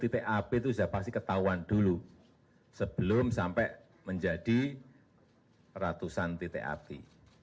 dan satu titik api itu sudah pasti ketahuan dulu sebelum sampai menjadi ratusan titik api